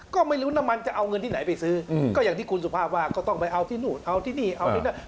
ก็ไม่รู้น้ำมันจะเอาเงินที่ไหนไปซื้อก็อย่างที่คุณสุภาพว่าก็ต้องไปเอาที่นู่นเอาที่นี่เอาที่นั่น